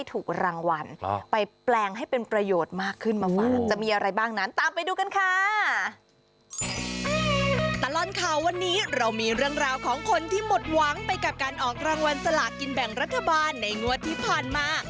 ตลอดข่าววันนี้เรามีเรื่องราวของคนที่หมดหวังไปกับการออกรางวัลสลากินแบ่งรัฐบาลในงวดที่ผ่านมา